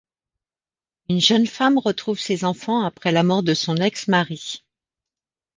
Une jeune femme retrouve ses enfants après la mort de son ex-mari.